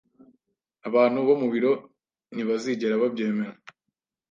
Abantu bo mu biro ntibazigera babyemera